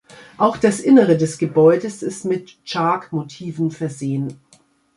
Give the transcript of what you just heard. Auch das Innere des Gebäudes ist mit Chaak-Motiven versehen.